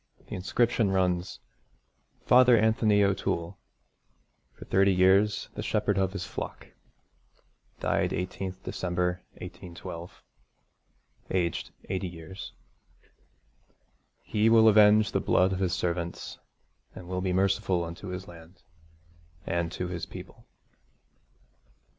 The inscription runs: FATHER ANTHONY O'TOOLE FOR THIRTY YEARS THE SHEPHERD OF HIS FLOCK Died 18th December 1812 Aged 80 years. 'He will avenge the blood of his servants, and will be merciful unto his land, and to his people.'